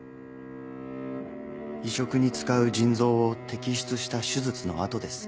移植に使う腎臓を摘出した手術の痕です。